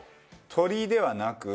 鶏ではなく。